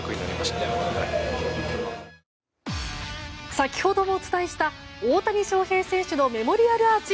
先ほどもお伝えした大谷翔平選手のメモリアルアーチ。